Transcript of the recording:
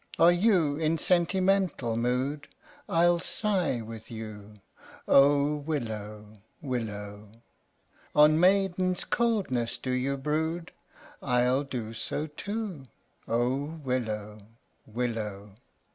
Are you in sentimental mood ? I'll sigh with you. Oh, willow! willow! On maiden's coldness do you brood ? I'll do so too. Oh, willow! willow!